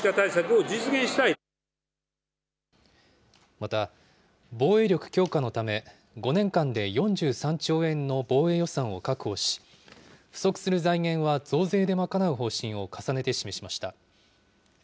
また、防衛力強化のため、５年間で４３兆円の防衛予算を確保し、不足する財源は増税で賄う方針を重ねて示しました。